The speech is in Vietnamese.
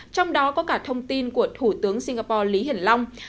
trong đó có cả thông tin của thủ tướng singapore lý hiển long